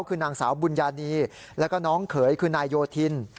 คือนางสาวบุญญานีแล้วก็น้องเขยคือนายโยธิน